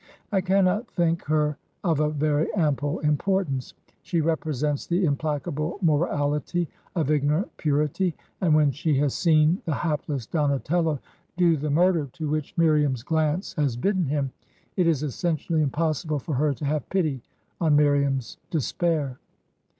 I cannot think her of a very ample importance. She represents the im placable morality of ignorant purity; and when she has seen the hapless Donatello do the murder to which 183 Digitized by VjOOQIC HEROINES OF FICTION Miriam's glance has bidden him, it is essentially im possible for her to have pity on Miriam's despair.